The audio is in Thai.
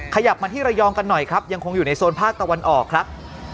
ขยับมาที่ระยองกันหน่อยครับยังคงอยู่ในโซนภาคตะวันออกครับ